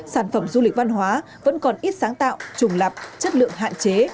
sản phẩm du lịch văn hóa vẫn còn ít sáng tạo trùng lập chất lượng hạn chế